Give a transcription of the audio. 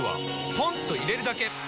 ポンと入れるだけ！